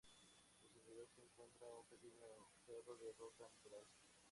En su interior se encuentra un pequeño cerro de roca natural.